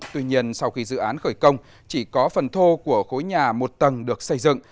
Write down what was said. tuy nhiên sau khi dự án khởi công chỉ có phần thô của khối nhà một tầng được xây dựng